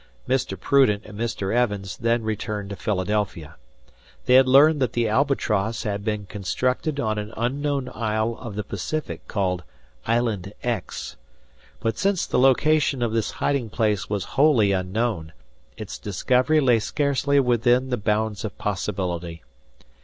Mr. Prudent and Mr. Evans then returned to Philadelphia. They had learned that the "Albatross" had been constructed on an unknown isle of the Pacific called Island X; but since the location of this hiding place was wholly unknown, its discovery lay scarcely within the bounds of possibility.